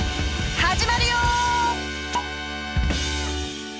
始まるよ！